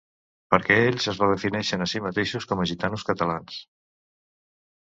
Perquè ells es defineixen a si mateixos com a gitanos catalans.